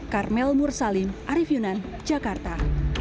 karmel mursalim arief yunan jakarta